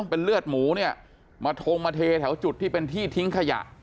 เป็นเลือดหมูเนี่ยมาทงมาเทแถวจุดที่เป็นที่ทิ้งขยะ